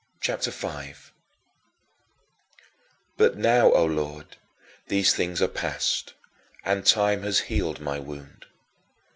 CHAPTER V 10. But now, O Lord, these things are past and time has healed my wound.